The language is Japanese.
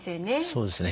そうですね。